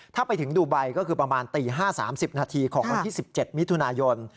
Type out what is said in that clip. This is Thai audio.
ถ้าไปดูไบก็คือประมาณตี๕๓๐นาทีของวันที่๑๗มิถุนายน